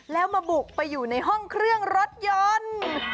แล้วมาบุกไปอยู่ในห้องเครื่องรถยนต์